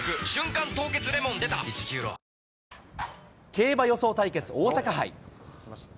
競馬予想対決、大阪杯。